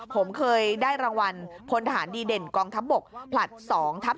ผมเคยได้รางวัลพลทหารดีเด่นกองทัพบกผลัด๒ทับ๓